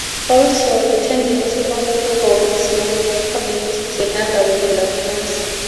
Also, the tendency to overweigh small probabilities and underweigh large ones.